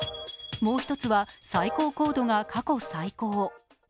もう一つは最高高度が過去最高。